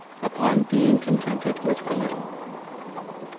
_Upon being Contented with a Little.